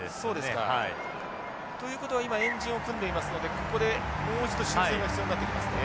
ということは今円陣を組んでいますのでここでもう一度修正が必要になってきますね。